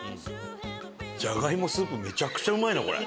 じゃがいもスープめちゃくちゃうまいなこれ。